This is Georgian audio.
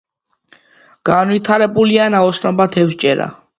განვითარებულია ნაოსნობა, თევზჭერა.